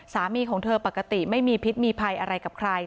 สามีของเธอปกติไม่มีพิษมีภัยอะไรกับใคร